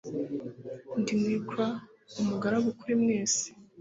Ndi Negro, umugaragu kuri mwese.